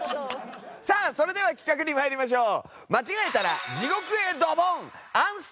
さあそれでは企画に参りましょう。